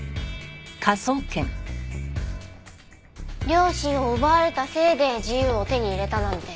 両親を奪われたせいで自由を手に入れたなんて。